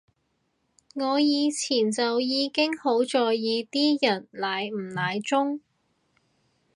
我以前就已經好在意啲人奶唔奶中